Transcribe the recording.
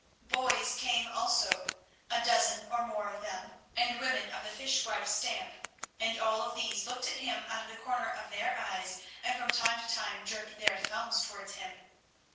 Boys came also, a dozen or more of them, and women of the fish wife stamp, and all of these looked at him out of the corner of their eyes, and from time to time jerked their thumbs towards him.